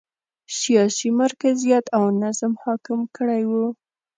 سیاسي مرکزیت او نظم حاکم کړی و.